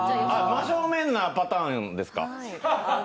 真正面なパターンですか。